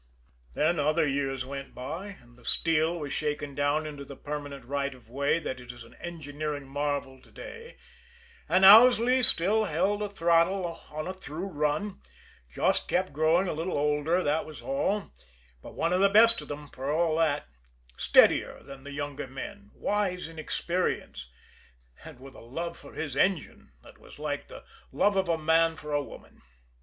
Then other years went by, and the steel was shaken down into the permanent right of way that is an engineering marvel to day, and Owsley still held a throttle on a through run just kept growing a little older, that was all but one of the best of them, for all that steadier than the younger men, wise in experience, and with a love for his engine that was like the love of a man for a woman.